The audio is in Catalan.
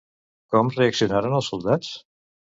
Com reaccionaren els soldats?